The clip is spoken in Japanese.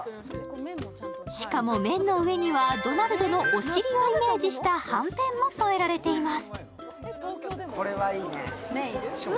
しかも、麺の上にはドナルドのお尻をイメージしたはんぺんも添えられています。